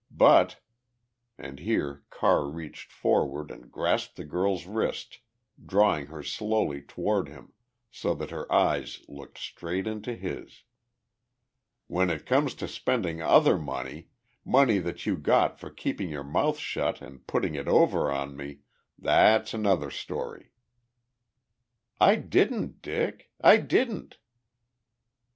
But " and here Carr reached forward and grasped the girl's wrist, drawing her slowly toward him, so that her eyes looked straight into his, "when it comes to spending other money money that you got for keeping your mouth shut and putting it over on me that's another story." "I didn't, Dick; I didn't!"